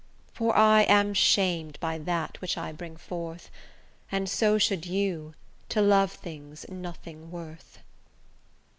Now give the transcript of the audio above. For I am shamed by that which I bring forth, And so should you, to love things nothing worth.